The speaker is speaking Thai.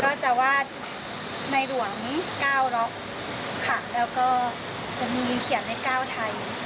ก็จะวาดในหลวง๙ล็อคค่ะ